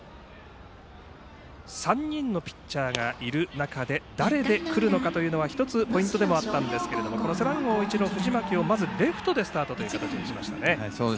３人のピッチャーがいる中で誰で来るのかというのは１つポイントでもあったんですが背番号１の藤巻をレフトでスタートという形にしました。